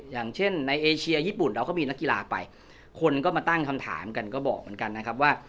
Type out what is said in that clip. อย่างเช่นในเอเชียญี่ปุ่นเราก็มีนักกีฬาไปคนก็มาตั้งคำถามกันก็บอกเหมือนกันนะครับว่า